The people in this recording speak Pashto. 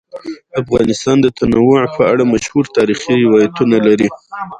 افغانستان د تنوع په اړه مشهور تاریخی روایتونه لري.